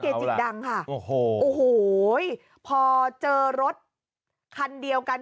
การนอนไม่จำเป็นต้องมีอะไรกัน